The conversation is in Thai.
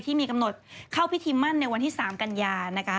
ที่มีกำหนดเข้าพิธีมั่นในวันที่๓กันยานะคะ